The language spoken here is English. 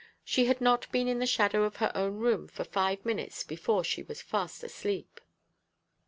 She had not been in the shadow of her own room for five minutes before she was fast asleep.